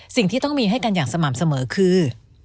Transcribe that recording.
สิ่งที่ต้องมีให้กันอย่างสม่ำเสมอคือ